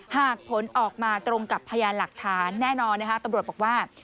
หากผลออกมาตรงกับพยานหลักฐานแน่นอนนะคะตำรวจบอกว่า